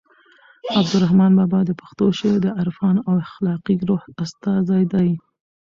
عبدالرحمان بابا د پښتو شعر د عرفاني او اخلاقي روح استازی دی.